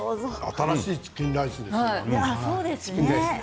新しいチキンライスですね。